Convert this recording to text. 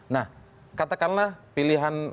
nah katakanlah pilihan